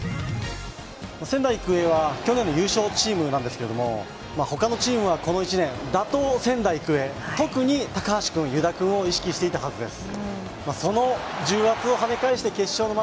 仙台育英は、去年の優勝チームなんですけれども、ほかのチームはこの１年、打倒仙台育英、特に高橋君、湯田君を意識していたはずです。